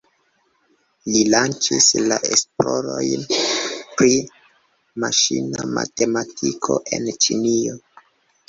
Li lanĉis la esplorojn pri maŝina matematiko en Ĉinio.